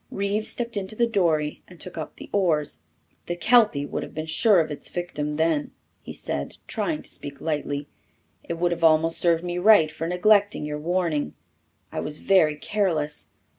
Reeves stepped into the dory and took up the oars. "The kelpy would have been sure of its victim then," he said, trying to speak lightly. "It would have almost served me right for neglecting your warning. I was very careless.